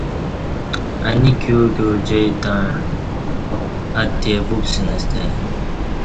انی کیوع کیوع جائ تݩع اتہے ووپسنستہ ای